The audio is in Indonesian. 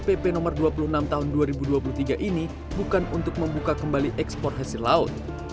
pp no dua puluh enam tahun dua ribu dua puluh tiga ini bukan untuk membuka kembali ekspor hasil laut